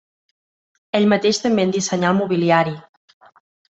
Ell mateix també en dissenyà el mobiliari.